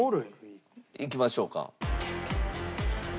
いきましょうか。